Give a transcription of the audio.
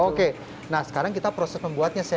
oke nah sekarang kita proses membuatnya chef